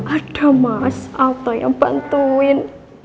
ada mas alto yang bantuin